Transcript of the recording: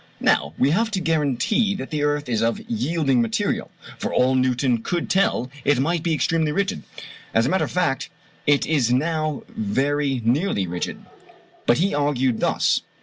Now we have no guarantee that the earth is of yielding material: for all Newton could tell it might be extremely rigid. As a matter of fact it is now very nearly rigid. But he argued thus.